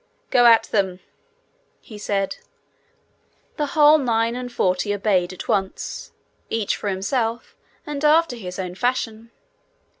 'Go at them,' he said. The whole nine and forty obeyed at once, each for himself, and after his own fashion.